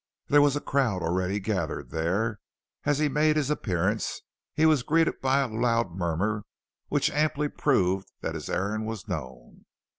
There was a crowd already gathered there, and as he made his appearance he was greeted by a loud murmur which amply proved that his errand was known.